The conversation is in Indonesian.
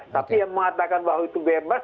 tapi yang mengatakan bahwa itu bebas